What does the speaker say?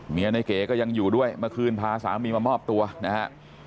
ในเก๋ก็ยังอยู่ด้วยเมื่อคืนพาสามีมามอบตัวนะฮะ